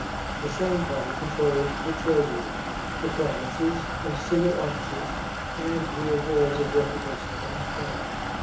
The same party controlled the treasury, the provinces, and civil offices and the awards of reputation and triumph.